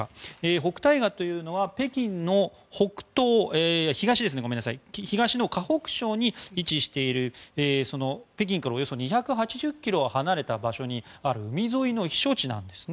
北戴河というのは北京の東の河北省に位置している北京から、およそ２８０ｋｍ離れた場所にある海沿いの避暑地なんです。